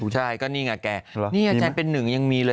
ใช่ก็นี่ไงแกนี่มันเป็นหนึ่งยังมีเลย